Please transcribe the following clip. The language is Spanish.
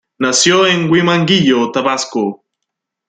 Nació en Huimanguillo, Tabasco.